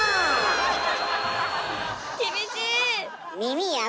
厳しい！